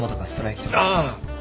ああ！